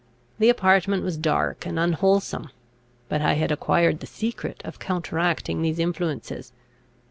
The apartment was dark and unwholesome; but I had acquired the secret of counteracting these influences.